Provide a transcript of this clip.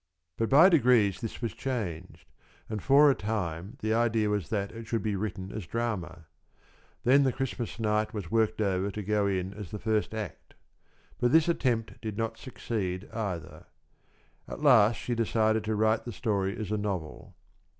But by degrees this was changed, and for a time the idea was that it should be written as drama. Then the Christmas night was worked over to go in as the first act. But this attempt did not succeed, either; at last she decided to write the story as a novel.